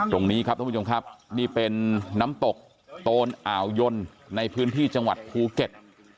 ตรงนี้ครับท่านผู้ชมครับนี่เป็นน้ำตกโตนอ่าวยนในพื้นที่จังหวัดภูเก็ต